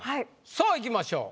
さあいきましょう。